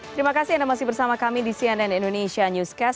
terima kasih anda masih bersama kami di cnn indonesia newscast